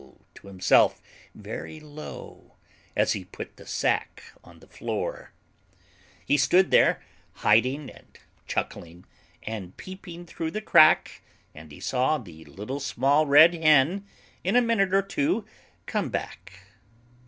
to himself, very low, As he put the sack on the floor. He stood there, hiding and chuckling, And peeping through the crack, And he saw the Little Small Red Hen, In a minute or two, come back.